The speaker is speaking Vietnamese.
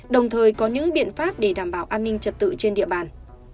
đồng thời có những biện pháp để đảm bảo an ninh trật tự trên địa bàn